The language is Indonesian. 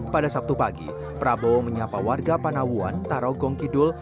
pada sabtu pagi prabowo menyapa warga panawuan tarogong kidul